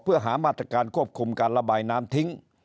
เพื่อหามาตรการควบคุมการระบายน้ำทิ้ง